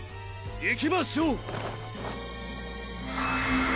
行きましょう！